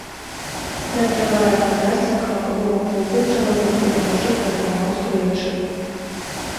Дажджавая вада сцякала ў акопы, чалавек тры ночы прадрамаў стоячы.